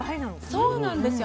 そうなんですよ。